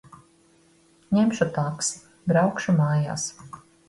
Ņemšu taksi. Braukšu mājās.